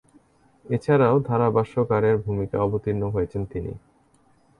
এছাড়াও, ধারাভাষ্যকারের ভূমিকায় অবতীর্ণ হয়েছেন তিনি।